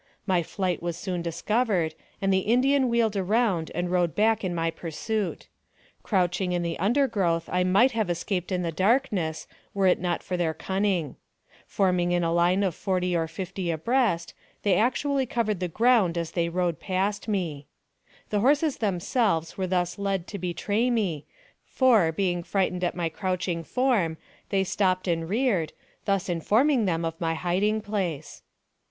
My flight was soon discovered, and the Indian wheeled around and rode back in my pursuit. Crouching in the undergrowth I might have escaped in the darkness, were it not for their cunning. Forming in a line of forty or fifty AMONG THE SIOUX INDIANS. 47 abreast, they actually covered the ground as they rode past me. The horses themselves were thus led to betray me, for, being frightened at my crouching form, they stopped and reared, thus informing them of my hiding place.